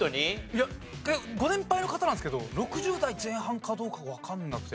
いやご年配の方なんですけど６０代前半かどうかわかんなくて。